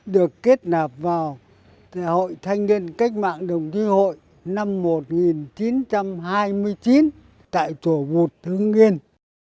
được kết nạp vào hội thanh niên cách mạng đồng chí hội năm một nghìn chín trăm hai mươi chín tại chổ bụt thứ nguyên